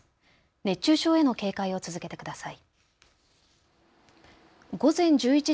熱中症への警戒を続けてください。